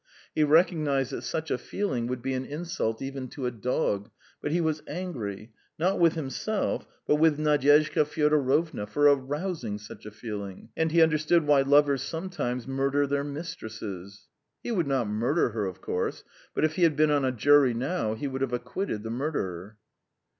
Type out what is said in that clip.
He recognised that such a feeling would be an insult even to a dog, but he was angry, not with himself but with Nadyezhda Fyodorovna, for arousing such a feeling, and he understood why lovers sometimes murder their mistresses. He would not murder her, of course, but if he had been on a jury now, he would have acquitted the murderer.